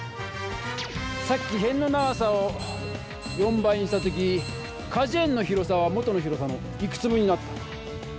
さっきへんの長さを４倍にした時かじゅ園の広さは元の広さのいくつ分になった？